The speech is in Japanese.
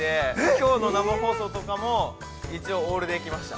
きょうの生放送とかも一応、オールで来ました。